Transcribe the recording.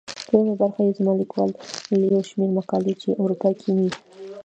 دوهمه برخه يې زما ليکوال يو شمېر مقالې چي په اروپا کې مي.